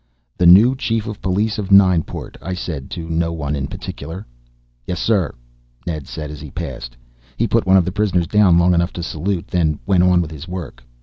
"The new Chief of Police of Nineport," I said to no one in particular. "Yes, sir," Ned said as he passed. He put one of the prisoners down long enough to salute, then went on with his work.